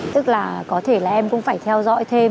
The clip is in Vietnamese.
tức là có thể là em cũng phải theo dõi thêm